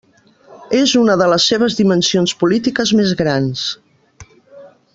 És una de les seves dimensions polítiques més grans.